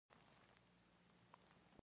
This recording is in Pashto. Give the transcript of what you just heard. کله چې په فعالیتونو کې سپین سترګي زیاته شوه